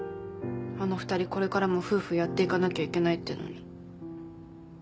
あの２人これからも夫婦やっていかなきゃいけないってのに。